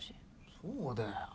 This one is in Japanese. そうだよ。